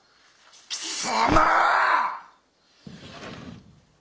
貴様！